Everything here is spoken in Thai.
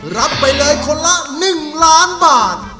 รับไปเลยคนละ๑ล้านบาท